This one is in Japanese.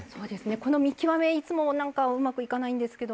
この見極め、いつもうまくいかないんですけど。